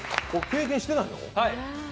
経験してないの？